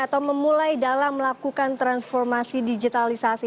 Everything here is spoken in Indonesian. atau memulai dalam melakukan transformasi digitalisasi